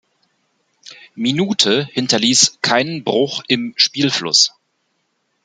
Minute hinterließ keinen Bruch im Spielfluss.